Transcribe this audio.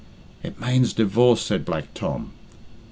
"It manes divorce," said Black Tom.